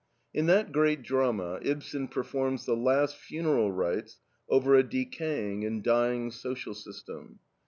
In that great drama Ibsen performs the last funeral rites over a decaying and dying social system.